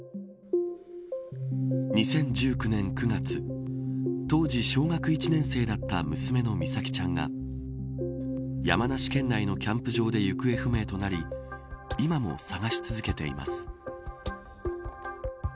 ２０１９年９月当時小学１年生だった娘の美咲ちゃんが山梨県内のキャンプ場で行方不明となり今も捜し続けています。